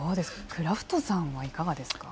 クラフトさんはいかがですか？